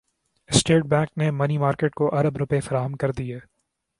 state bank نےمنی market کو ارب روپے فراہم کردیے